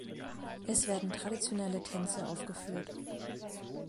Es werden traditionelle Tänze aufgeführt.